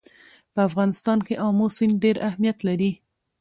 په افغانستان کې آمو سیند ډېر اهمیت لري.